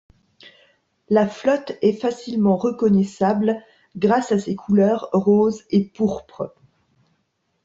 La flotte est facilement reconnaissable grâce à ses couleurs rose et pourpre.